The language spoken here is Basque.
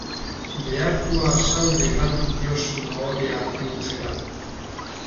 Behartua zaude galdu diozun ohorea bihurtzera.